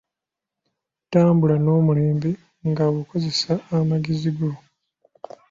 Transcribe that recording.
Tambula n'omulembe nga okozesa amagezi go.